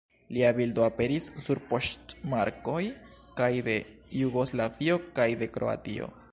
Lia bildo aperis sur poŝtmarkoj kaj de Jugoslavio kaj de Kroatio.